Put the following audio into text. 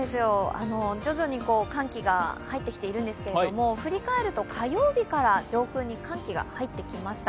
徐々に寒気が入ってきているんですが、振り返ると火曜日から上空に寒気が入ってきました。